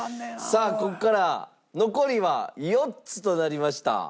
さあここから残りは４つとなりました。